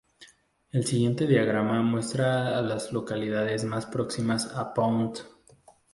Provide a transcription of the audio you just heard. El siguiente diagrama muestra a las localidades más próximas a Pound.